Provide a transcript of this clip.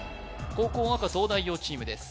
後攻赤東大王チームです